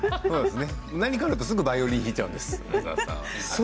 何かあるとすぐバイオリン弾いちゃうんです、穴澤さん。